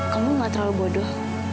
kamu gak terlalu bodoh